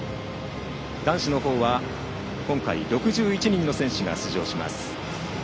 男子の方は今回６１人の選手が出場します。